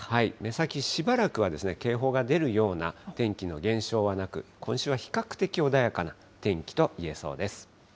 目先しばらくは、警報が出るような天気の現象はなく、今週は比較的穏やかな天気といえそうです。